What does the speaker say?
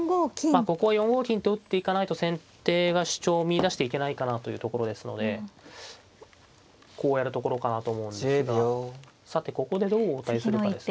まあここは４五金と打っていかないと先手が主張を見いだしていけないかなというところですのでこうやるところかなと思うんですがさてここでどう応対するかですね。